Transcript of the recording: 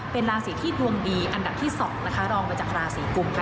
เป็นราศีที่ดวงดีอันดับที่๒นะคะรองมาจากราศีกุมค่ะ